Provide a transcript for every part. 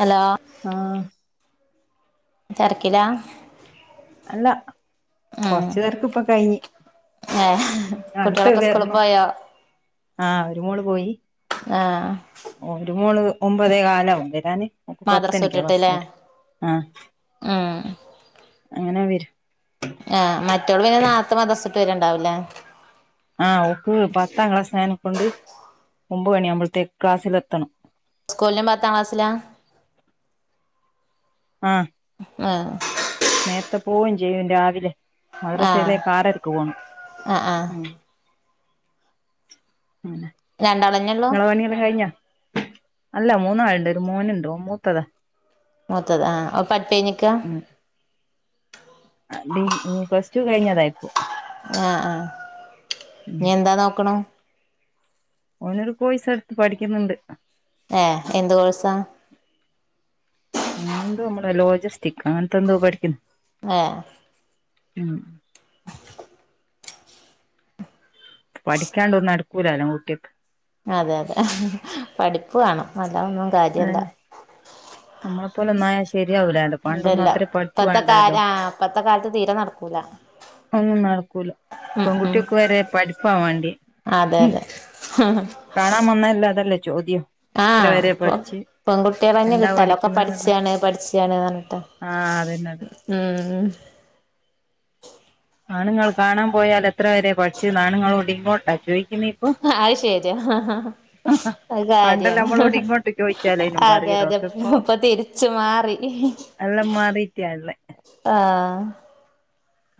Hello ആഹ് തെരക്കിലാ അല്ല കുറച്ച് തെരക്ക് ഇപ്പൊ കഴിഞ്ഞ് ഏ അടുത്ത കുട്ട്യാളൊക്കെ സ്കൂളിൽ വരണം പോയോ ആഹ് ഒരു മോള് പോയി ആഹ് ഒരു മോള് ഒമ്പതേക്കാലവും വരാന് മദ്രസ പത്തണിക്ക ക്ലാസ്സ് വിട്ടിട്ട്ല്ലേ വരാ ആ ഉം അങ്ങനെ വരു ആ മറ്റൊൾ പിന്നെ നാരത്തെ മദ്രസ്സ് വിട്ട് വരുണ്ടാവൂല്ലേ ആഹ ഓക്ക് പത്താം ക്ലാസ് ആയേന കൊണ്ട് ഒമ്പത് മണിയാവുമ്പഴത്തേക്ക് ക്ലാസ്സിൽ എത്തണം സ്കൂളിലും പത്താം ക്ലാസ്സിലാ ആഹ് ആഹ് നേരത്തെ പോവും ചെയ്യും രാവിലെ ആഹ് മദ്രസയിലെക്ക് ആറരക്ക് പോണം ആഹ് ആഹ് മ് ആ രണ്ടാളന്നെ ഉള്ളൂ ഇങ്ങളെ പണിയെല്ലാം കഴിഞ്ഞ അല്ല മൂന്നാൾണ്ട് ഒരു മോനുണ്ട് ഓൻ മൂത്തതാ മൂത്തത് ആ പഠിപ്പ് കഴിഞ്ഞ് നിക്കാ അല്ലെ പ്ലസ് ടു കഴിഞ്ഞതായിപ്പോ ആഹ് ആഹ ഇഞ് എന്താ നോക്ക്ണു ഓനോരു കോയ്സ് എടുത്ത് പഠിക്കുന്നുണ്ട് ഏ എന്ത് കോഴ്‌സാ ഓനെന്തോ നമ്മളെ ലോജിസ്റ്റികോ അങ്ങനത്തെന്തോ പഠിക്ക്ന്നു ഏഹ് മ് പഠിക്കാണ്ട് ഒന്നും നടക്കൂലല്ലോ കുട്ടി അതെ അതെ പഠിപ്പ് വാണം അതാ ഒന്ന അന്നേ നമ്മളെപ്പോലെന്നായ ശരിയാവൂലാലോ പണ്ടൊന്നും ഇല്ലല്ല അത്ര പഠിപ്പ് ഇപ്പത്തെ വേണ്ടാലോ കാല ആഹ് ഇപ്പത്തെ കാലത്ത് തീരെ നടക്കൂല ഒന്നും നടക്കൂല ഉം ഉം പ്പെങ്കുട്ട്യാക്ക് വരെ പഠിപ്പാ വാണ്ട്യെ അതെ അതെ കാണാൻവന്നല്ലഅതല്ലേ ചോദ്യം ത്ര വരെ പഠിച്ച് പെങ്കുട്ട്യാളന്നെ എന്താ കിട്ടാല്ല ഒക്കെ പഠിക്കുന്നേന്നുള്ള പഠിച്ചാണ് പഠ്ച്ചാണ് അർഞ്ഞിട്ട് ആഹ് അതന്നെ അതന്നെ ഉം ആണ്ങ്ങൾ കാണാം പോയാലഎത്ര വരെ പട്ച്ച്ന്നാണ്ങ്ങളോടിങ്ങോട്ടാ ചോയിക്ക്ന്നിപ്പൊ ആയ്ശെരിയാ അഅ് പണ്ടല്ല കാര്യാണ് നമ്മളോട് ഇങ്ങോട്ട് ചോദിച്ചാലേനും അതെ പറയലോ അതെ ഒക്കെ ഇപ്പ് ഇപ്പൊ തിരി ച്ച് മാറീ എല്ലം മാറീറ്റ്യാള്ളേ ആഹ്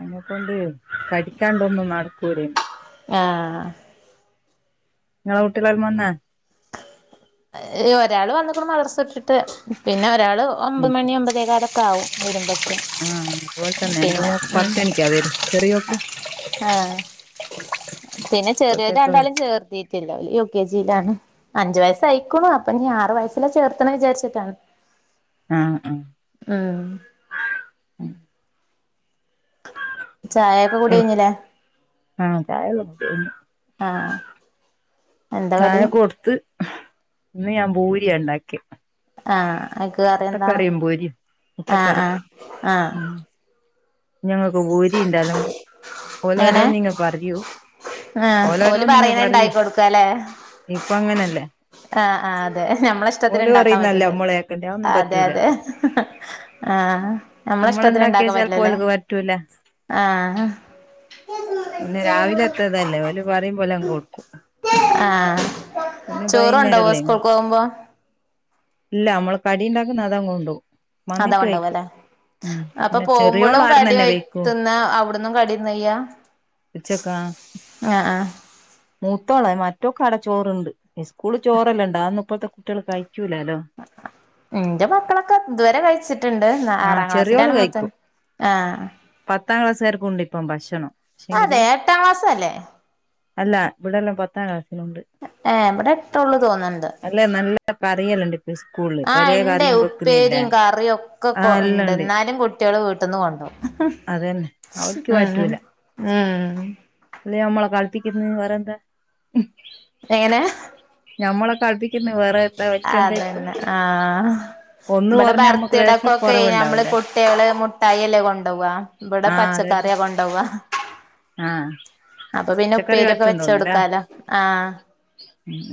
അമ്മെക്കൊണ്ട് കടിക്കാള്ളാെന്നും നടക്കൂലേ ആഹ് ഇങ്ങളെ കുട്ട്യള് [unintelligible] ഏ് ഒരാള് വന്ന്കുണു മദ്രസുട്ട്ട്ട് പിന്നെ ഒരാള് ഉം ഒമ്പമണി ഒമ്പത് തേകാലൊക്കാവും വരുമ്പക്ക് ആഹ് അതുപോലെ തന്നെ എന്റെ ട്ടില്ല മോക്ക് ഉം പത്തണിക്കാ വരും ചെറിയോക്ക് ആഹ് പിന്നെ ചെറിയെത് ഇപ്പഴത്തേക്ക് വരും രണ്ടാളീം ചേർത്തി ട്ടില്ല ഓല് യു കെ ജിലാണ് അഞ്ച് വയസ്സ് അയ്ക്കുണു അപ്പെഞ്ഞ് ആറ് വയസ്സിലാ ചേർത്തണം വിചാര്ച്ച്ട്ടാണ് ആഹ് ആഹ് ആഹ് ചായൊക്കെ കുടിയഴിഞ്ഞിലേ [inaudible] ചായക്കെ കുട്ച്ചൂ ആഹ് ആഹ് ചായ കൊട്ത്ത് ഇന്ന് ഞാൻ ഭൂരിയാ ഇണ്ടാക്ക്യ ആഹ് അയ്ക്ക് കറ്യന്താ ഭൂരിയും അഹ് മുട്ടക്കറി ആഹ് ആഹ് ഞ്ഞ് ഞങ്ങക്ക് ഭൂരീണ്ടലമ്പ് എങ്ങനെ ഓലോരോന്നിങ്ങ് പറയൂ ആഹ് ഓല് ഓലോരോന്നിങ്ങ് പറയണ ഇണ്ടാക്കി പറയും കൊടുക്കാല്ലേ ഇപ്പൊ അങ്ങനെല്ലേ ആഹ് ആഹ് അതെ നമ്മള ഇഷ്ടത്തിന് ഇണ്ടാക്കാൻ പറയുന്നല്ലേ പറ്റില്ല നമ്മള് കേക്കണ്ടേ അതൊന്നും അതെ പറ്റൂല അതെ ആഹ് നമ്മള ഇഷ്ടത്തിന് ഇണ്ടാക്കാൻ പറ്റില്ല അപ്പോൽക്ക് പറ്റൂല [inaudible] പിന്നെ രാവിലെത്തതല്ലേ ഓല് പറിമ്പോലേം കൊട്ക്കും ആഹ് പിന്നെ ചോറ് കൊണ്ടോവോ ബൈന്നേരല്ലേ സ്കൂൾക്ക് ഇങ്ങത്ത് പോകുമ്പോ ഇല്ല നമ്മള് കടിണ്ടാക്കുന്ന അതാണ കൊണ്ടോകും വന്നിട്ട് കഴിക്കും ഉം ന്നെട്ട് പോവുമ്പളും കടി കഴ് ത്ത്ന്നാ അവട്ന്നും കടിന്നയ്യാ ഉച്ചക്കാ ആഹ് ആഹ് മൂത്തോളേ മറ്റോക്കാടെ ച്ചോറ്ണ്ട് ഇസ്കൂള് ചോറെല്ലണ്ടാ അഒന്നും ഇപ്പഴ്ത്തെ കുട്ട്യാള് കഴിക്കൂലാല്ലോ ഇന്റെ മക്കളൊക്കെ ഇത് വരെ കഴിച്ചിട്ട്ണ്ട് നാ ആഹ് ആറാം ചെറിയോള് ക്ലാസ്സിലാണ് മൂത്തോന് കഴിക്കും ആഹ് പത്താം ക്ലാസ്സാര്ക്കുണ്ട് ഇപ്പം ഭക്ഷണം പക്ഷെങ്കില് അതെ എട്ടാം ക്ലാസ്സല്ലേ അല്ല ഇവിടെല്ലോം പത്താം ക്ലാസ്സിനുണ്ട് ഏഹ് ഇവിടെ എട്ടൊള്ളൂ തോന്ന്ണ്ട് അല്ലെ നല്ല കറിയല്ലണ്ട് ഇപ്പ സ്കൂളില് പലേ കറിയും മ്പക്ക് പ്പേരിം കറിയൊക്കൊ ക്കൊ ണ്ട് ന്നാലും കുട്ട്യാള് വീട്ട്ന്ന് കൊണ്ടോവും അതന്നെ അവർക്ക് ഉം ഉം ഉം ഓല് ഞമ്മളെ കൾപ്പിക്ക്ന്ന് വേറെന്താ എങ്ങനെ ഞമ്മളൊക്കെ അടുപ്പിക്കുന്നു വേറെ എത്ര വക്ക എന്തായിപ്പ? അതന്നെ ആഹ് ഒന്ന് ഇവിടെ കൊറഞ്ഞ നമ്മുക്ക് ലേശം ബർത്ത്ഡേക്കൊക്കെ നമ്മള് കുറവുണ്ടാവൂല്ലേ. കുട്ടികള് മുട്ടായി അല്ലേ കൊണ്ടോവാ, ഇബാടെ ആഹ് അതെതെ പച്ചക്കറിയ കൊണ്ടോവാ. ആഹ് അപ്പൊ പിന്നെ പച്ചക്കറി ഉപ്പേരിക്കൊ വെച്ചോട് ക്കാലോ. ആഹ് ഉം..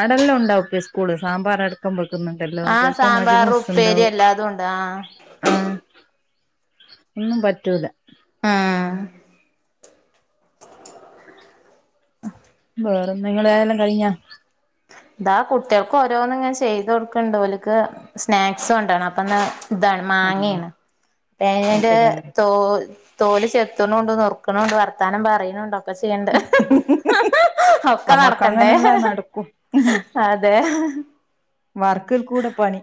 അവ്ടെല്ലാം ണ്ടാവും പെ സ്കൂള്. സാമ്പാർ അടു കമ്പക്കുന്നുണ്ടല്ലോ ആഹ് ചിലപ്പോം മതി സാമ്പാർ ഉപ്പേരി മൂസ്ണ്ടാവും. എല്ലാതും ഉണ്ട് ആഹ് ആഹ് ഒന്നും പറ്റൂല ആഹ് വേറെ നിങ്ങളയല്ലാം കഴിഞ്ഞ? ഇതാ കുട്ടികൾക്ക് ഓരോന്നും ഇങ്ങനെ ചെയ്ത് കൊട്ക്ക്ണ്ട്, ഓൽക്ക് സ്നാക്സ് കൊണ്ടോണം അപ്പന്ന്... താണ് ആഹ് മാങ്ങേണ്, അത് തേങ്ങന്റെ ശരിയാ തോ തോല് ചെത്ത്ണുണ്ട് നുറുക്കണുണ്ട് വർത്താനം പറയണുണ്ട്, ഒക്കെ ചെയ്യണ്ട്. ഒക്കെ നടക്കണ്ടേ? കുട്ടി അതെ. വർക്കിൽ കൂടെ പണി.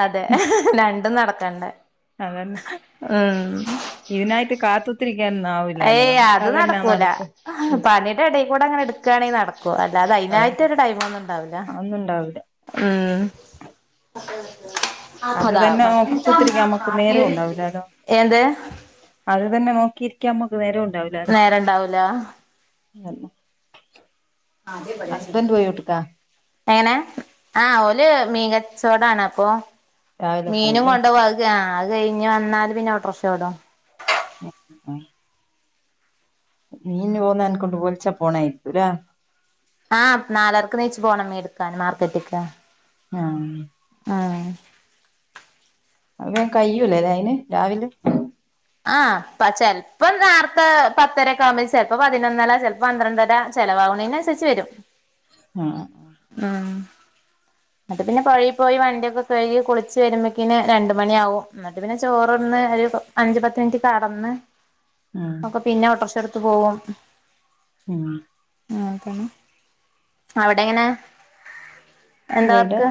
അതെ, രണ്ടും നടക്കണ്ടേ? അതന്നെ. ആഹ് ഇതിനായ്ട്ട് കാത്ത് ഏയ് അത് നടക്കൂല, നടക്കും ഉം പണിയുടെ എടെകൂടെങ്ങനെ ട്ത്ത് ഇട്ക്കണെങ്കി നടക്കും, അതന്നെ അല്ലതെതിനായിട്ടൊരു ടൈം ഒന്നും ണ്ടാവ് ല്ല. അതൊന്നും ണ്ടാവില്ല. ആഹ് അത് അതാ, തന്നെ നോക്കി കുത്തിരിക്കാൻ നമ്മക്ക് നേരം ഉണ്ടാവില്ലാലോ എന്ത്? അത് തന്നെ നോക്കിയിരിക്കാ നമുക്ക് നേരോണ്ടാവ് ല്ല നേരണ്ടാവ് ല. അതന്നെ അതെ ഹസ്ബൻഡ് പോയോട്ട്ക്കാ എങ്ങനെ? ആഹ് ഓല് മീൻ കച്ചോടാണ് അപ്പോ? രാവിലെ മീനും പോവുല്ലേ കൊണ്ട് പൊയ്ക്കാണ്, അത് കഴിഞ്ഞ് വന്നാല് പിന്നെ ഓട്ട്രഷോടും. ആ ആ മീന് പോക്ണോണ്ട് പൊലർച്ച പോണേയിക്കും ലേ? ആഹ് നാലരക്ക് നീച്ചു പോണം മീൻ എടുക്കാൻ മാർക്കറ്റക്ക്. ആഹ് ആഹ് അങ്ങനെ കയ്യൂല്ലേ അയിന് രാവിലെ? ആ ചെലപ്പ നേർത്തെ പത്തര ഒക്കെ ആകുമ്പോ ചെലപ്പോ പതിനൊന്നര ചലപ്പോ പന്ത്രണ്ടര. ചെലവാവ്ണിനന്സരിച്ച് വരും. ആഹ് ആഹ് എന്നിട്ട് പിന്നെ പുഴയി പോയി വണ്ടിയൊക്കെ കഴുകി കുളിച്ച് വരുമ്പോഴക്കിന് രണ്ട് മണിയാവും, എന്നിട്ട് പിന്നെ ചോറൊന്ന് ഒരു അഞ്ച് പത്ത് മിനിറ്റ് കടന്ന്... ഉം. അപ്പൊ പിന്നെ ഓട്ടർശെടുത്ത് പോകും. ഉം. ആഹ് തന്നെ അവിടെങ്ങനെ? ഇവിടെ എന്താവർക്ക്?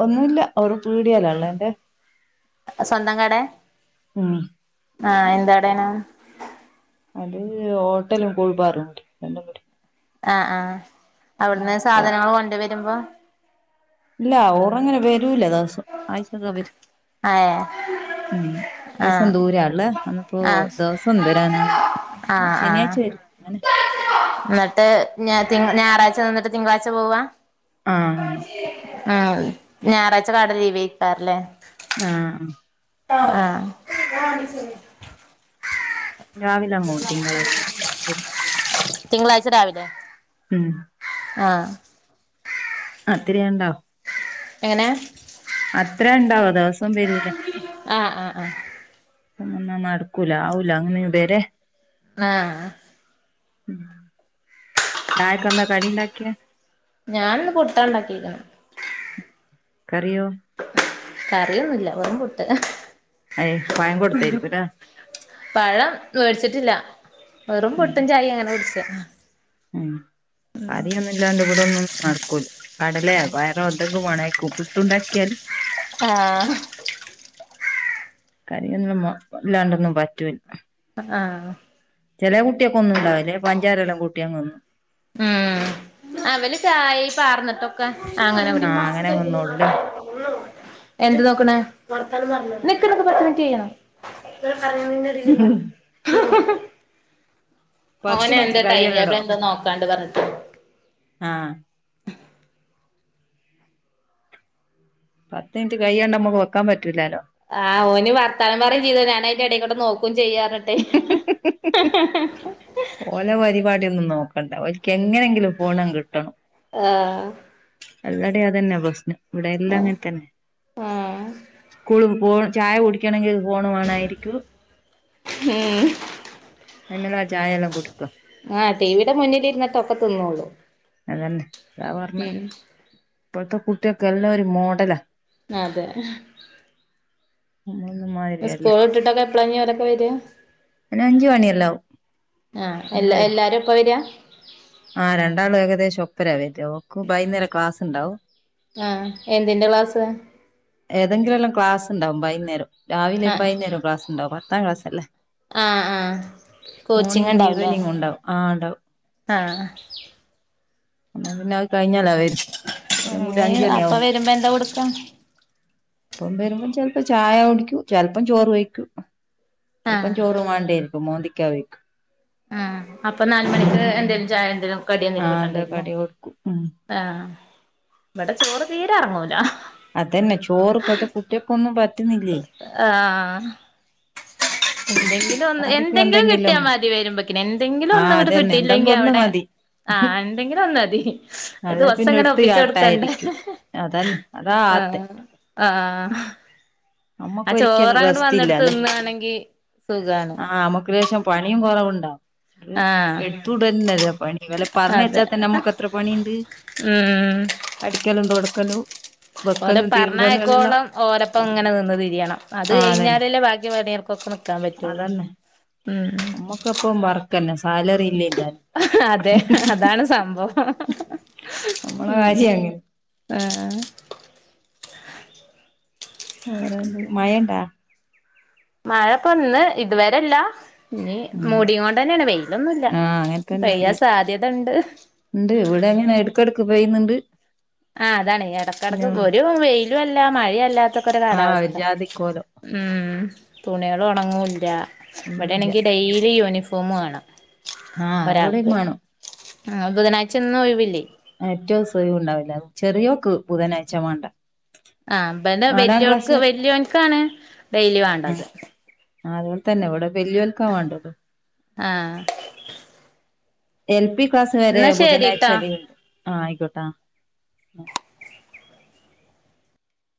ഒന്നുല്ല അവർ പീടിയാലാള്ളെ. സ്വന്തം കടെ ആഹ് ആഹ് എന്ത് കടയാണ് അത് ഹോട്ടലും കൂൾബാറും ര - ആഹ് ആഹ് അവിടുന്ന് ഉം സാധനങ്ങള് കൊണ്ട് വരുമ്പോ. ഇല്ല ഓർ [unintelligible] [inaudible] ങ്ങനെ വരൂല. ആഴ്ചയിൽ വരും ഏ ആ ലേശം ദൂരെയാ ഉള്ളത് അന്ന് ഇപ്പോ ആ ദെവസം വരായാവില്ല ആ ആ ശനിയാഴ്ച വരും അങ്ങനെ ഏ ഞായറാഴ്ച്ച നിന്നിട്ട് തിളാഴ്ച്ച പോവാ. ആഹ് നോ ആ ഞായറാഴ്ച്ച കട ലീവേകാരല്ലേരിക്കും ആഹ് ആഹ് രാവിലെ മോള് തിങ്കളാഴ്ച അവര്. തിങ്കളാഴ്ച രാവിലെ ഉം ആഹ് പത്തിരി ഞാൻ ഉണ്ടാകും എങ്ങനെ അത്ര ഉണ്ടാവോ ദിവസം വരൂല. ആഹ് ആ ഹ് ആഹ് ഒന്നൊന്നും നടക്കൂല ആവൂല അങ്ങനെയ വേരെ ആഹ് ചായക്കെന്താ കടി ഒണ്ടാക്കിയേ. ഞാൻ ഇന്ന് പുട്ടാണ് ഉണ്ടാക്കിയെക്കുന്നെ കറിയോ കറിയൊന്നുമില്ല വെറും പുട്ട് അയ് പയം കൊടുത്തായിരിക്കും അല്ലേ പഴം മേടിച്ചിട്ടില്ല വെറും പുട്ടും ചായയും അങ്ങനെ കുടിച്ചെ കടി ഒന്നും ഇല്ലാണ്ട് ഇവിടെയൊന്നും നടക്കൂല. കടലേ പയറോ എന്തൊക്കെ വേണേ പുട്ട് ഉണ്ടാക്കിയാല് ആഹ് കറിയൊന്നും ഇല്ലാണ്ടൊന്നും പറ്റൂല്ല. അഹ് ആഹ് ചെല കുട്ടിയൊക്കെന്നും ഉണ്ടാവില്ലേ പഞ്ചാരെല്ലാം കൂട്ടി അങ് തിന്നും. ഉം അവര് ചായയിൽ പാർന്നിട്ടൊക്കെ അങ്ങനെ കുടിക്കും. ആഹ് അങ്ങനെ തിന്നോളൂല്ലേ എന്ത് നോക്കണ നിക്നിക് പറഞ്ഞിട് ചെയ്യാം [unintelligible] അ പറയുന്നന്ന രീതി പറ പത്ത് ഓന് മിനിറ്റ് എന്താ ടൈംടബിൾ കഴിയണടോ എന്തോ നോക്കാണ്ട് പറഞ്ഞു. ആഹ് പത്ത് മിനിറ്റ് കയ്യാണ്ട് നമ്മുക്ക് വെക്കാൻ പറ്റില്ലല്ലോ. ആഹ് ഓന് വർത്താനം പറയുവേ ചെയ്തു ഞാൻ അതിന്റെയെടെക്കൂടെ നോക്കു- ക്കും ചെയ്യാറുണ്ടെ ഓലെ പരിപാടി ഒന്നും നോക്കണ്ട ഓല്ക്ക് എങ്ങനെങ്കിലും ഫോണ് അങ്ങ് കിട്ടണം ആഹ് എല്ലാംടെ അത് തന്നെ പ്രശ്നം ഇവിടെല്ലാം അങ്ങനെ തന്നെ ആഹ് സ്കൂളും- ഫോ ചായ കുടിക്കണെങ്കി ഫോണ് വേണായിരിക്കും. ഉം അങ്ങ [unintelligible] നെ ചായ എല്ലാം കുടിക്കും ആഹ് ടിവിയുടെ മുന്നിലിരുന്നിട്ട് ഒക്കെ തിന്നോളും അത് തന്നെ അതാ പറഞ്ഞെ ഇപ്പഴത്തെ കുട്ടികൾക്ക് എല്ലാം ഒരു മോഡലാ. അതെ നമ്മളൊന്നും മാ സ്കൂള് വീട്ടിട്ടൊക്കെ എപ്പളാഞ്ഞ് ഓലൊക്കെ വരാ അഞ്ച് മണിയെല്ലാവും ആഹ് എല്ല എല്ലാരും ഇപ്പ വരാ ആഹ് രണ്ടാള് ഏകദേശം ഒപ്പരാ വരാഓ ബൈന്നേര ക്ലാസ്ണ്ടാവും ആഹ് എന്തിന്റെ ക്ലാസ് ഏതെങ്കിലല്ലാം ക്ലാസ് ഉണ്ടാവും ബൈന്നേരം രാവിലെ ആഹ് ബൈന്നേരും ക്ലസ് ഉണ്ടാവും പത്താം ക്ലാസല്ലേ ആഹ് ആഹ് കോച്ചിങ് മോർണിംഗ് ഉണ്ടാവുംല്ലേ ഈവനിങ് ഉണ്ടാവും ആ ഇണ്ടാവും ആഹ് എന്നാ പിന്നെ അത് കഴിഞ്ഞാല വരു നീ അപ്പ വരുമ്പോ എന്താ കൊടുക്കാ ഇപ്പം വരുമ്പോ ചെൽപ്പം ചായ കുടിക്കൂ ചെൽപ്പം ചോറ് വഴിക്കൂ അല്പ്പം ആഹ് ചോറു മാണ്ടേരിക്കും മോന്തിക്കാവേ ആഹ് അപ്പൊ നാല് മണിക്ക് എന്തേലും ചായ എന്തേലും കടി എന്തേലും ആഹ് അതെ കിട്ടണ്ടിയരുലേ കടി കൊടുക്കും ഉം ആഹ് ഇവിടെ ചോറ് തീരെ എറങ്ങൂല അതന്നെ ചോറ് ഇപ്പഴത്തെ കുട്ടിക്കൊന്നും പറ്റ്ന്നില്ലേ ആഹ് ആഹ് ഇണ്ടെങ്കിൽ ഒന്ന് എന്തെങ്കിലും കിട്ടിയാ മതി വരുമ്പോക്കിന് എന്തെങ്കിലും ആഹ് ഒന്ന്ങ്ങട്ട് അതന്നെ എന്തെങ്കും കിട്ടിയില്ലെങ്കിൽ ഒന്ന് അവിടെ മതി ആഹ് എന്തെങ്കിലൊന്ന്തി അല്ലെ ദിവസ പിന്നെ ങ്ങനെ എടുത്ത് ഒപ്പിച്ചൊട്ക്കണ്ടെ ചാട്ടായിരിക്കും അതന്നെ അതാ ആത്ത് ആഹ് ആഹ് ആ അമ്മക്ക് ഒരിക്കലും ചോറങ്ങട്ട് വന്നിട്ട് റസ്റ്റില്ലാലൊ തിന്നാണെങ്കി സുഖാണ് ആ അമ്മക്റേഷം പണിയും കൊറവുണ്ടാ ആഹ് എടുത്തുടന്നെല്ലെ പണി ഇവലെ അതെ പറഞ്ഞെച്ചാതന്നെ നമ്ക്ക്‌ത്ര പണിണ്ട് ഉം അടിക്കലും തൊടക്കലും ഓലെ വെക്കലും തിരുമ്പലും എല്ലാം പറണയക്കോളം ഓലപ്പം ഇങ്ങനെ നിന്ന് തിരിയണം അത് ആഹ് അതന്നെ കഴിഞ്ഞാലല്ലേ ബാക്കി പണിയർക്കൊക്കെ നിക്കാൻ പറ്റുള്ളു ഉം നമ്മക്കപ്പം വർക്ക്ന്നെ സാലറി ഇല്ലേ താനും അതെ അതാണ് സംഭവം നമ്മളെ ഉം കാര്യം അങ്ങനെ ഏഹ് വറെന്തെ മഴണ്ടാ മഴപ്പം ഇന്ന് ഇതുവരെല്ലാ ഇഞ് ഉം മൂടികോണ്ടന്നെണ് വെയിലൊന്നുല്ല ആഹ് പെയ്യാൻ സാധ്യത ഇണ്ട് ഇണ്ട് ഇവിടെ എങ്ങനെ എടക്കടക്ക് പെയ്യുന്നുണ്ട് ആ അതാണ് എടക്കടക്ക് പിന്നെ ഒരു വെയിലും അല്ല മഴല്ലാത്തക്കൊരു ആഹ് ഒരു കാലാവസ്ഥ ജാതിക്കോലം ഉം തുണികള് ഒണങ്ങുല്ല്യ ഒന്നുല്ല ഇവിടെണങ്കി ഡെയിലി യൂണിഫോമാണം ആഹ് ഇവിടെയും ഒരാൾക്ക് വേണം ഉം ബുധനാഴ്ചയ്ന്നും ഒഴിവില്ലേ ഏറ്റസു ഒയിവുണ്ടാവുല്ല ചെറിയോക്ക് ബുധനാഴ്ച്ച വാണ്ട ആഹ് ഇബന്റെ വല്യൊള്ക്ക്‌ വരെ വല്ല്യോൻക്കാണ് ഡെയ്ലി വാണ്ടത് ആഹ് അങ്ങനെ തന്നെ ഇവിടെ വലിയോൽക്കാ വാണ്ടത് ആഹ് എൽ പി ക്ലാസ് വരെ എന്നാ ശരിട്ടോ ബുധനാഴ്ചയിൽ ആ ആയിക്കോട്ടാ